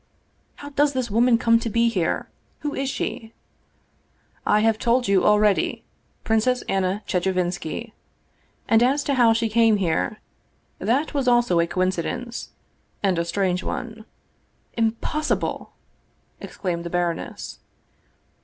"How does this woman come to be here? Who is she?" "I have told you already; Princess Anna Chechevinski. And as to how she came here, that was also a coincidence, and a strange one." "Impossible!" exclaimed the baroness.